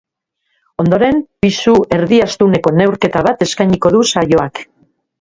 Ondoren, pisu erdiastuneko neurketa bat eskainiko du saioak.